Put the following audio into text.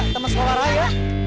temen selama raya